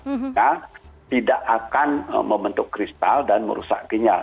sehingga tidak akan membentuk kristal dan merusak ginjal